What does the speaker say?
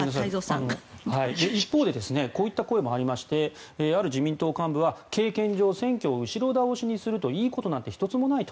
一方でこういった声もありましてある自民党幹部は経験上選挙を後ろ倒しにするといいことなんて一つもないと。